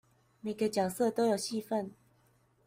每個角色都有戲份